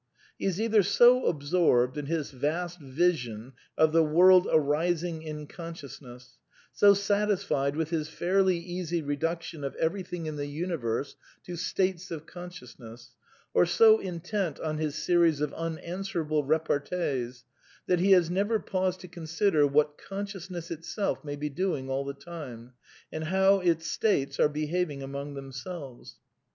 He is either so absorbed in his vast vision of the world '^ arising in consciousness," so satisfied with his fairly easy reduction of everything in the universe to states of ^^ consciousness, or so intent on his series of unanswerable^''^ repartees, that he has never paused to consider what con sciousness itself may be doing all the time, and how its states are behaving among themselves.